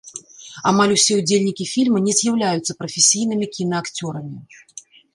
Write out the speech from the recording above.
Амаль усе ўдзельнікі фільма не з'яўляюцца прафесійнымі кінаакцёрамі.